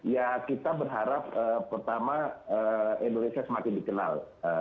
ya kita berharap pertama indonesia semakin dikenal